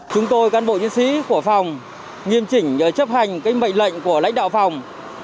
chúng tôi cán bộ chiến sĩ của phòng nghiêm chỉnh chấp hành mệnh lệnh của lãnh đạo phòng